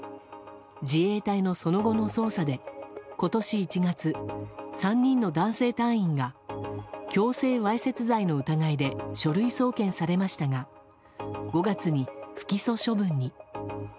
自衛隊のその後の捜査で今年１月３人の男性隊員が強制わいせつ罪の疑いで書類送検されましたが５月に不起訴処分に。